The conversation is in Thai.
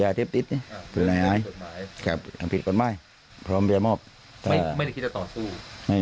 ไม่ได้คิดว่าต่อสู้